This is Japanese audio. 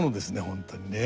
本当にね。